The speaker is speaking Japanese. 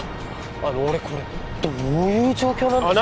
あの俺これどういう状況なんでしょう